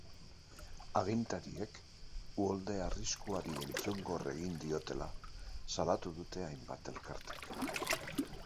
Agintariek uholde arriskuari entzungor egin diotela salatu dute hainbat elkartek.